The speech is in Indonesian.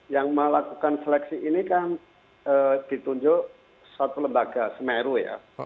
yang melakukan seleksi ini kan ditunjuk satu lembaga semeru ya